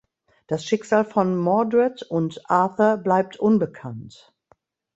Das Schicksal von Mordred und Arthur bleibt unbekannt.